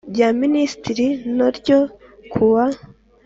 Rya minisitiri no ryo kuwa